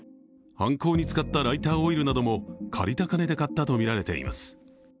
犯行に使ったライターオイルなども借りた金で買ったとみられています。